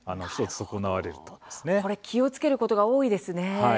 気をつけることが多いですね。